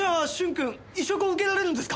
君移植を受けられるんですか？